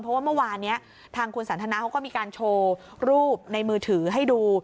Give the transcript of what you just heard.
เพราะว่าเมื่อวานนี้ทางคุณสันทนาเขาก็มีการโชว์รูปในมือถือให้ดู